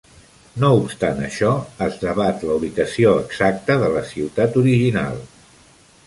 No obstant això, es debat la ubicació exacta de la ciutat original.